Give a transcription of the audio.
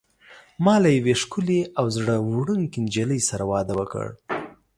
ما له یوې ښکلي او زړه وړونکي نجلۍ سره واده وکړ.